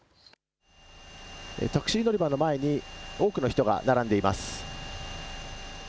タクシー乗り場の前に多くの人が並んでいます。